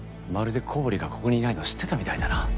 まるで古堀がここにいないの知ってたみたいだな。